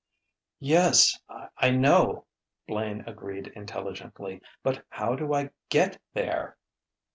"Yes, I know," Blaine agreed intelligently. "But how do I get there?"